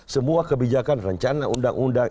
semua kebijakan rencana undang undang